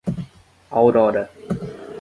Aurora